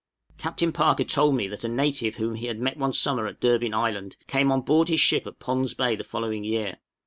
Captain Parker told me that a native whom he had met one summer at Durbin Island, came on board his ship at Pond's Bay the following year.